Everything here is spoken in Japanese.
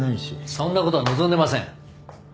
そんなことは望んでません。